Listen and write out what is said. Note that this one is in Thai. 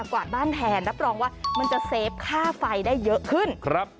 กวาดบ้านแทนรับรองว่ามันจะเซฟค่าไฟได้เยอะขึ้นครับ